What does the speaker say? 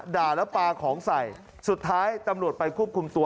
ด่าแล้วปลาของใส่สุดท้ายตำรวจไปควบคุมตัว